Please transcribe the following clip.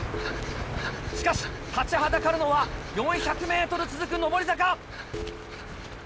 しかし立ちはだかるのは４００ｍ続く上り坂。